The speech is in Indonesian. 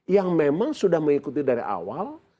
yang memang sudah mengikuti dari awal